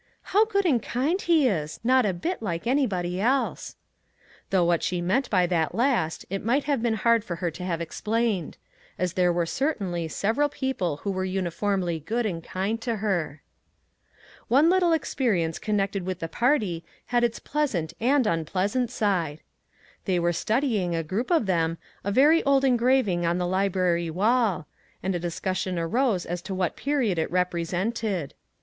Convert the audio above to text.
" How good and kind he is! not a bit like anybody else." Though what she meant by that last it might have been hard for her to have explained, as there were certainly several people who were uniformly good and kind to her. One little experience connected with the party had its pleasant and unpleasant side. They were studying, a group of them, a very old engraving on the library wall, and a discus sion arose as to what period it represented.